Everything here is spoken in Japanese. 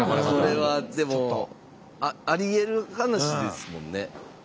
これはでもありえる話ですもんね。